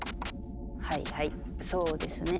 はいはいそうですね。